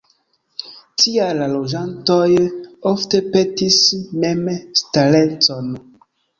Tial la loĝantoj ofte petis memstarecon.